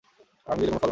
আমি দিলে কোনো ফল নাই।